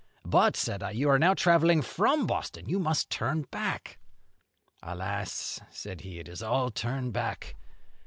'But,' said I, 'you are now travelling from Boston. You must turn back.' 'Alas!' said he, 'it is all turn back!